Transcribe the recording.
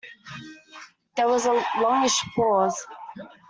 There was a longish pause.